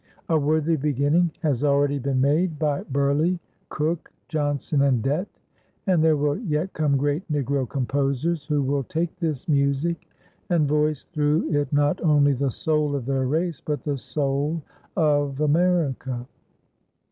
A worthy beginning has already been made by Burleigh, Cook, Johnson, and Dett. And there will yet come great Negro composers who will take this music and voice through it not only the soul of their race, but the soul of America.